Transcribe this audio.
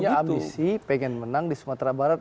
dia punya ambisi ingin menang di sumatera barat